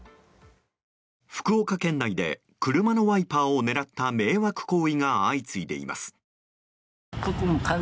福岡県内で車のワイパーを狙った迷惑行為が相次いでいます。